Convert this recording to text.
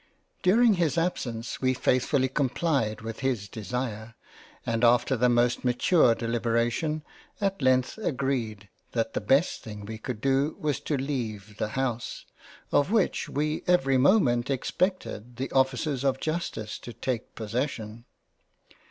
During his absence we faithfully complied with his Desire and after the most mature Deliberation, at length agreed that the best thing we could do was to leave the House ; of which we every moment expected the officers of Justice to take possession.